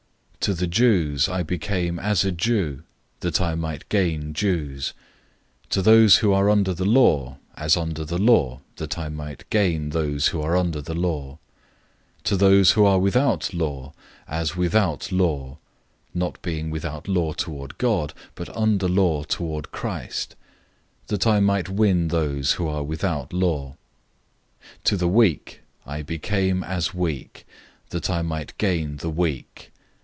009:020 To the Jews I became as a Jew, that I might gain Jews; to those who are under the law, as under the law, that I might gain those who are under the law; 009:021 to those who are without law, as without law (not being without law toward God, but under law toward Christ), that I might win those who are without law. 009:022 To the weak I became as weak, that I might gain the weak.